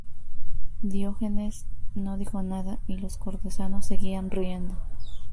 Diógenes no dijo nada, y los cortesanos seguían riendo.